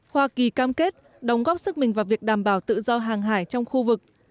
hoa kỳ cam kết đóng góp sức mình vào việc đảm bảo tự do hàng hải trong khu vực